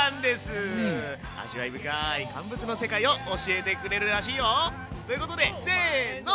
味わい深い乾物の世界を教えてくれるらしいよ。ということでせの。